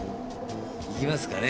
いきますかね。